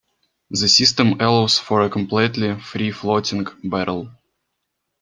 This system allows for a completely free floating barrel.